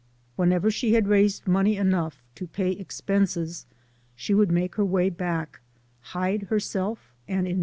Whenever she had raised money enough to pay expenses, she would make her way back, hide her self, and in